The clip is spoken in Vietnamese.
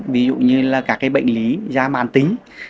ví dụ như là các bệnh lý da mạn tính